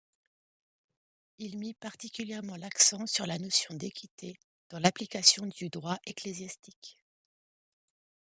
Il mit particulièrement l'accent sur la notion d'équité dans l'application du droit ecclésiastique.